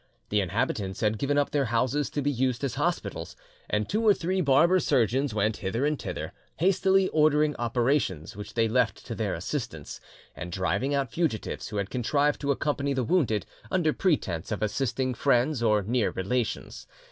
The inhabitants had given up their houses to be used as hospitals, and two or three barber surgeons went hither and thither, hastily ordering operations which they left to their assistants, and driving out fugitives who had contrived to accompany the wounded under pretence of assisting friends or near relations.